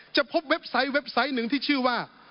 จะพบเว็บไซต์หนึ่งที่ชื่อว่า